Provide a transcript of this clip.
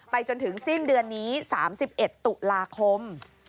จนถึงสิ้นเดือนนี้๓๑ตุลาคม